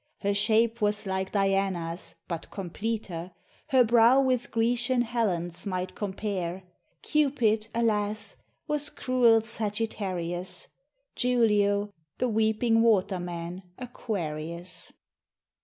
Her shape was like Diana's, but completer; Her brow with Grecian Helen's might compare: Cupid, alas! was cruel Sagittarius, Julio the weeping water man Aquarius.